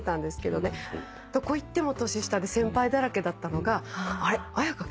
どこ行っても年下で先輩だらけだったのがあれっ絢香